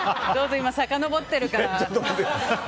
今、さかのぼってるから。